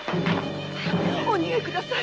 お逃げください